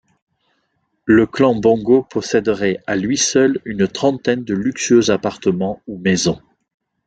Le clan Bongo possèderait, à lui seul, une trentaine de luxueux appartements ou maisons.